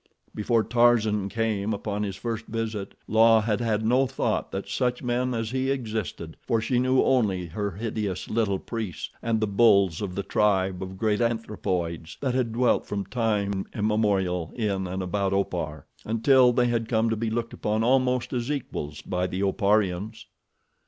Before Tarzan came upon his first visit, La had had no thought that such men as he existed, for she knew only her hideous little priests and the bulls of the tribe of great anthropoids that had dwelt from time immemorial in and about Opar, until they had come to be looked upon almost as equals by the Oparians.